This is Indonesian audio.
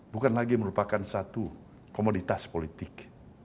bukan lagi merupakan satu komoditas politik